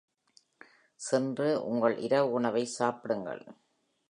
சென்று உங்கள் இரவு உணவை சாப்பிடுங்கள்.